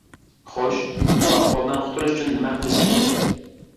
– Xoʻsh, bu ahvoldan qutulish uchun nima qilishim kerak?